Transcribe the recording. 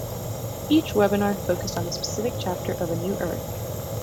Each webinar focused on a specific chapter of "A New Earth".